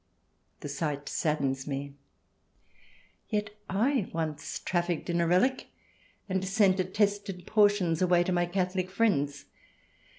The sight saddens me. Yet I once trafficked in a relic, and sent attested portions away to my Catholic friends.